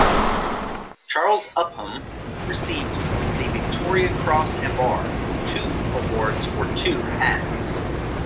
Charles Upham received the Victoria Cross and Bar; two awards for two acts.